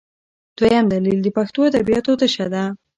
دویم دلیل د پښتو ادبیاتو تشه ده.